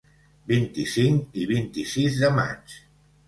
Vint-i-cinc i vint-i-sis de maig.